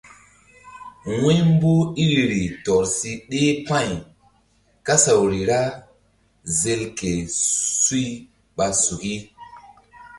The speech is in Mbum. Wu̧y mboh iriri tɔr si ɗeh pa̧y kasawri ra zel ke suy ɓa suki.